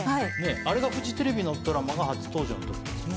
あれがフジテレビのドラマが初登場のときですね。